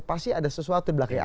pasti ada sesuatu di belakangnya